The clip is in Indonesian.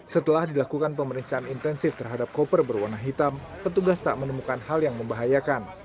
setelah dilakukan pemeriksaan intensif terhadap koper berwarna hitam petugas tak menemukan hal yang membahayakan